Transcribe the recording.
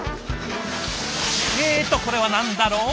えっとこれは何だろう？